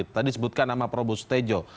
tadi disebutkan nama prabowo setajo